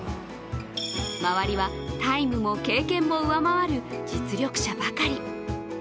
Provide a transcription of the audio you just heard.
周りはタイムも経験も上回る実力者ばかり。